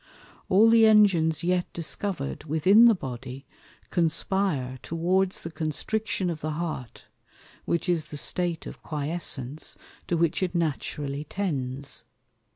All the Engines yet discover'd within the Body, conspire towards the Constriction of the Heart, which is the State of Quiescence, to which it naturally tends.